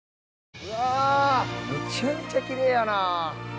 うわめちゃめちゃきれいやな。